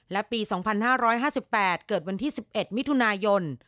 และปี๒๕๕๘เกิดวันที่๑๑มิถุนายน